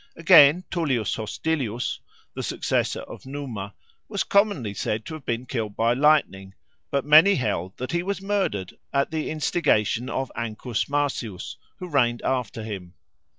Again, Tullus Hostilius, the successor of Numa, was commonly said to have been killed by lightning, but many held that he was murdered at the instigation of Ancus Marcius, who reigned after him.